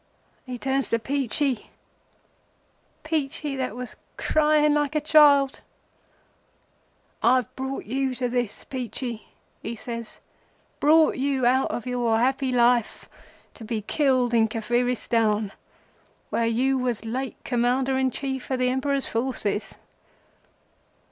He turns to Peachey—Peachey that was crying like a child. 'I've brought you to this, Peachey,' says he. 'Brought you out of your happy life to be killed in Kafiristan, where you was late Commander in Chief of the Emperor's forces.